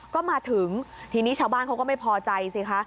ก็มาถึงทีนี้ชาวบ้านเขาก็ไม่พอใจสิคะ